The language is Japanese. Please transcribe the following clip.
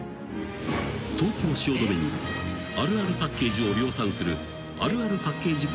［東京汐留にあるあるパッケージを量産するあるあるパッケージ